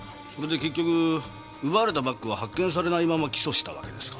結局バッグは発見されないまま起訴したわけですか？